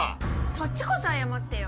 そっちこそ謝ってよ